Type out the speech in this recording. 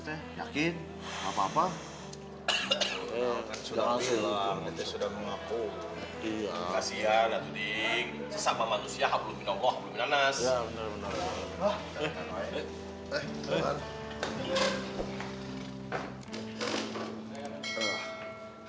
ini owe buah net amazon real coklatnya j vas malfry audit tabung sampai ketemu lagi kalau kepada balotwoo studio di facebook affinchall program io plebis durumnya lawg friendship keras ber principles